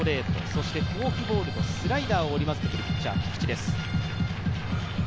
そしてフォークボールとスライダーを織り交ぜてくるピッチャー・菊地です。